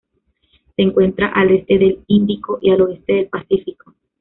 Se encuentra al este de Índico y al oeste del Pacífico.